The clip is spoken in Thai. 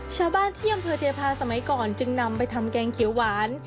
ชาวบ้านที่อำเภอเทพาสมัยก่อนจึงนำไปทำแกงเขียวหวาน